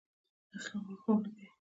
اسلام لارښوونه کوي